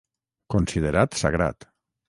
Considerat sagrat.